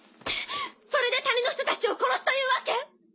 それで谷の人たちを殺すというわけ？